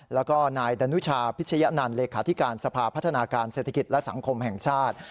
แล้วก็นายดนุชาพิชยะนันต์เลขาธิการสภาพัฒนาการเศรษฐกิจและสังคมแห่งชาติ